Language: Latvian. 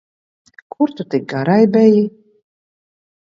Kur tu tik garai beji?